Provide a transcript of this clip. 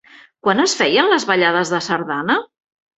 Quan es feien les ballades de sardana?